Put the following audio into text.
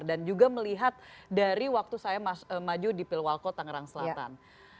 dan juga melihat dari waktu saya maju di pilwalco tangerang selatan